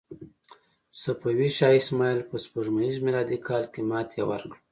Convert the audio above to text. صفوي شاه اسماعیل په سپوږمیز میلادي کال کې ماتې ورکړه.